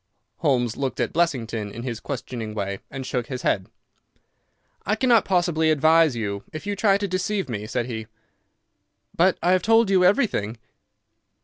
Holmes looked at Blessington in his questioning way and shook his head. "I cannot possibly advise you if you try to deceive me," said he. "But I have told you everything."